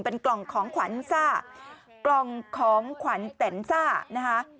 เป็นกล่องของขวัญซ่ากล่องของขวัญแต่นซ่านะคะ